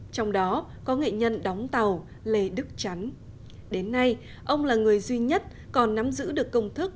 trong đó có nghệ nhân đóng tàu lê đức chắn đến nay ông là người duy nhất còn nắm giữ được công thức